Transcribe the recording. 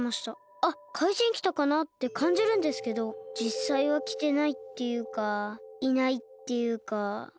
あっかいじんきたかなってかんじるんですけどじっさいはきてないっていうかいないっていうか。